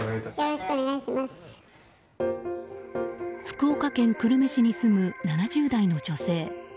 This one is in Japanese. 福岡県久留米市に住む７０代の女性。